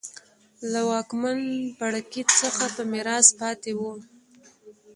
له واکمن پاړکي څخه په میراث پاتې وو.